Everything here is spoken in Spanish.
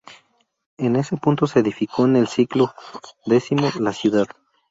En ese punto se edificó en el siglo X la ciudad.